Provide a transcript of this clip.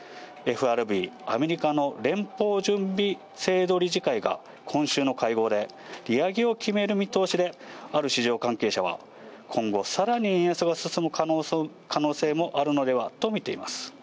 ＦＲＢ・アメリカの連邦準備制度理事会が今週の会合で利上げを決める見通しで、ある市場関係者は、今後、さらに円安が進む可能性もあるのではと見ています。